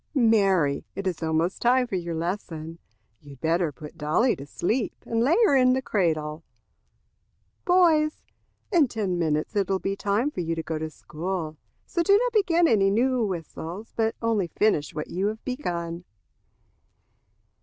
"Mary, it is almost time for your lesson. You had better put Dolly to sleep and lay her in the cradle." "Boys, in ten minutes it will be time for you to go to school. So do not begin any new whistles, but only finish what you have begun."